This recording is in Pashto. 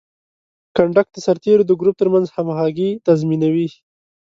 کنډک د سرتیرو د ګروپ ترمنځ همغږي تضمینوي.